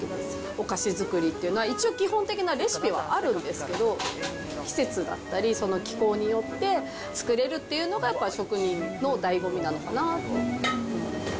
お菓子作りっていうのは、一応基本的なレシピはあるんですけど、季節だったり、その気候によって作れるっていうのが、やっぱり職人のだいご味なのかなって。